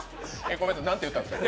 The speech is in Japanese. ごめんなさい、なんて言ったんですか？